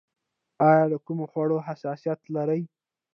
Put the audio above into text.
ایا له کومو خوړو حساسیت لرئ؟